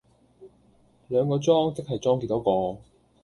兩個裝即係裝幾多個